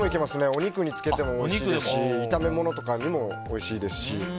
お肉につけてもおいしいですし炒め物とかにもおいしいですし。